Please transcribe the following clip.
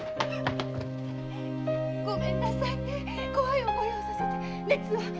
ごめんなさい怖い思いをさせて熱は？